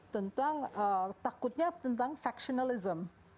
tentang takutnya tentang faktionalism